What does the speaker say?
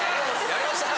やりました。